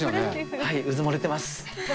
はい、うずもれてます。